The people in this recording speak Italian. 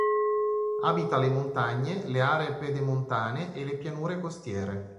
Abita le montagne, le aree pedemontane e le pianure costiere.